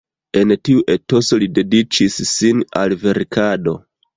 En tiu etoso li dediĉis sin al verkado.